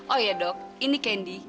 oh iya dok ini kendi